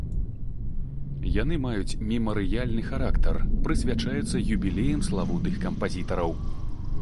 Яны маюць мемарыяльны характар, прысвячаюцца юбілеям славутых кампазітараў.